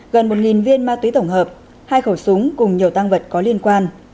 gần một viên ma túy tổng hợp hai khẩu súng cùng nhiều tăng vật có liên quan